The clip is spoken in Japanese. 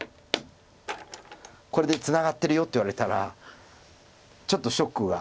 これでツナがってるよって言われたらちょっとショックが。